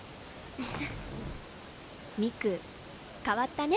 三玖変わったね